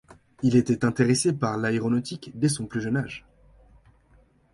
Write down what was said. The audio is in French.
Il était intéressé par l'aéronautique dès son plus jeune âge.